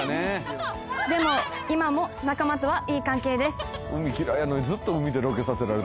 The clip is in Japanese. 「でも今も仲間とはいい関係です」